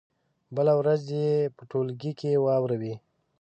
بله ورځ دې یې په ټولګي کې واوروي.